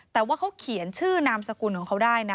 แต่ว่าเขาเขียนชื่อนามสกุลของเขาได้นะ